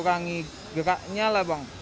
mengurangi geraknya lah bang